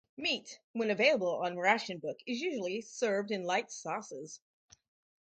Meat, when available on ration book is usually served in light sauces.